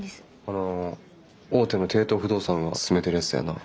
あの大手の帝都不動産が進めてるやつだよな？